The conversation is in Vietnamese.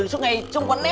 số ngày trong quán net